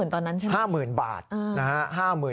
๕๐๐๐๐ตอนนั้นใช่ไหม